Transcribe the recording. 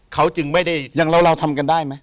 อย่างเราทำกันได้ไหม